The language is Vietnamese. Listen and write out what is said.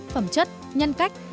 phẩm chất nhân cách